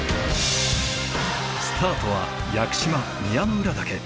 スタートは屋久島宮之浦岳。